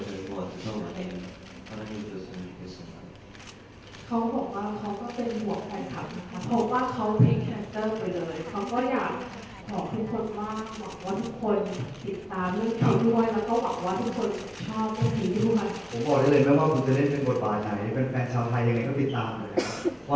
ผมบอกได้เลยไม่ว่าคุณจะเล่นเป็นบทบาทไทยเป็นแฟนชาวไทยยังไงก็ติดตามเลยนะครับ